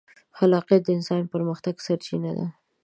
خلاقیت د انسان د پرمختګ سرچینه ده.